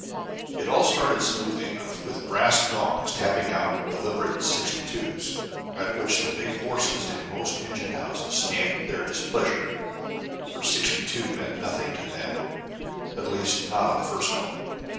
It all started smoothly enough, with brass gongs tapping out deliberate 62's, at which the big horses in most engine houses stamped their displeasure, for 62 meant nothing to them at least not on the first call.